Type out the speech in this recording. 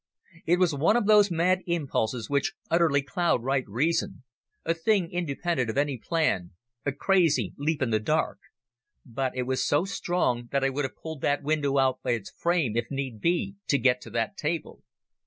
It was one of those mad impulses which utterly cloud right reason, a thing independent of any plan, a crazy leap in the dark. But it was so strong that I would have pulled that window out by its frame, if need be, to get to that table.